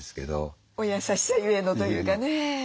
お優しさゆえのというかね。